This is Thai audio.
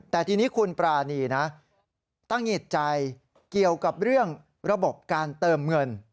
แต่ทีนี้คุณปรานีนะตั้งหิดใจเกี่ยวกับเรื่องระบบการเติมเงิน